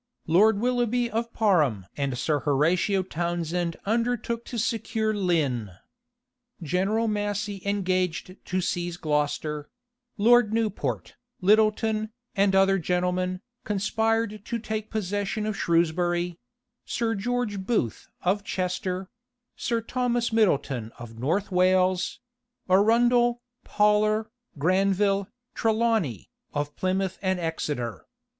Lord Willoughby of Parham and Sir Horatio Townshend undertook to secure Lynne. General Massey engaged to seize Gloucester: Lord Newport, Littleton, and other gentlemen, conspired to take possession of Shrewsbury; Sir George Booth of Chester; Sir Thomas Middleton of North Wales; Arundel, Pollar, Granville, Trelawney, of Plymouth and Exeter.